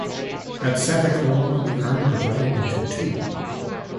At Santa Coloma, the army divided into two.